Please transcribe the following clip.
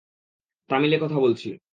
তামিলে কথা বলছি।